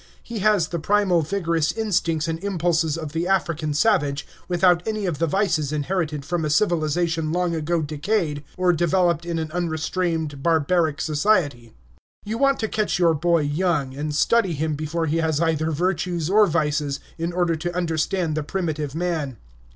He has the primal, vigorous instincts and impulses of the African savage, without any of the vices inherited from a civilization long ago decayed or developed in an unrestrained barbaric society. You want to catch your boy young, and study him before he has either virtues or vices, in order to understand the primitive man.